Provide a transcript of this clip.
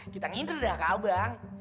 kita ngider dah kak bang